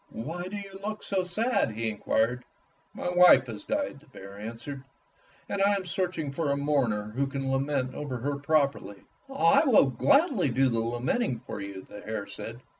"Why do you look so sad?" he inquired. "My wife has died," the bear answered. F airy T ale F oxes 135 and I am searching for a mourner who can lament over her properly.'' "I will gladly do the lamenting for you," the hare said.